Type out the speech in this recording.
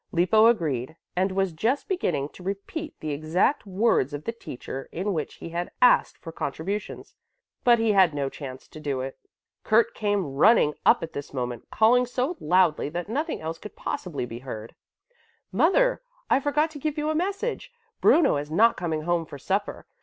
Lippo agreed and was just beginning to repeat the exact words of the teacher in which he had asked for contributions. But he had no chance to do it. Kurt came running up at this moment, calling so loudly that nothing else could possibly be heard: "Mother, I forgot to give you a message. Bruno is not coming home for supper.